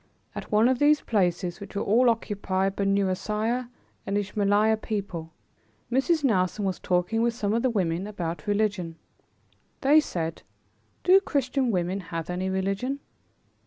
At one of these places, which were all occupied by Nusairiyeh and Ismaeliyeh people, Mrs. Nelson was talking with some of the women about religion. They said, "Do Christian women have any religion?"